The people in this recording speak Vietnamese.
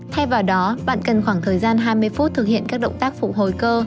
thay vào đó bạn cần khoảng thời gian hai mươi phút thực hiện các động tác phục hồi cơ